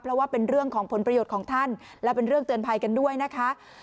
เพราะว่าเป็นเรื่องของผลประโยชน์ของท่านและเป็นเรื่องเตือนภัยกันด้วยนะคะ